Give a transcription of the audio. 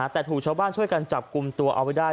แต่ถูกชาวบ้านช่วยกันจับกลุ่มตัวเอาไว้ได้